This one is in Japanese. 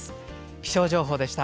気象情報でした。